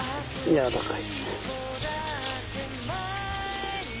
やわらかい。